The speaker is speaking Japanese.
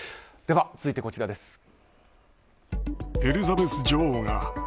では続いてこちらです。